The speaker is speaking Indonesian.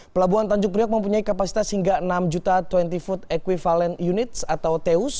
pelabuhan tanjung priok mempunyai kapasitas hingga enam dua puluh food equivalent units atau teus